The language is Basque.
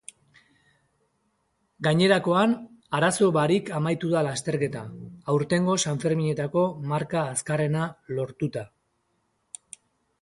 Gainerakoan, arazo barik amaitu da lasterketa, aurtengo sanferminetako marka azkarrena lortuta.